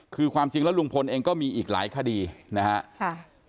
คือความจริงแล้วลุงพลเองก็มีอีกหลายคดีนะครับ